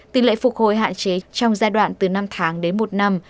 tỷ lệ phục hồi hạn chế trong giai đoạn từ năm tháng đến một năm